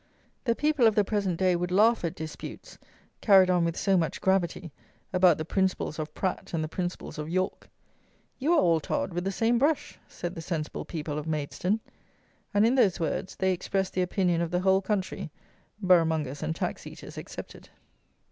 The people of the present day would laugh at disputes (carried on with so much gravity!) about the principles of Pratt and the principles of Yorke. "You are all tarred with the same brush," said the sensible people of Maidstone; and, in those words, they expressed the opinion of the whole country, borough mongers and tax eaters excepted.